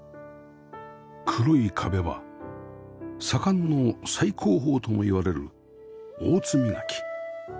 黒い壁は左官の最高峰ともいわれる大津磨き